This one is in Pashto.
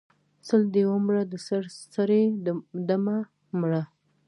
سل دی ومره د سر سړی د مه مره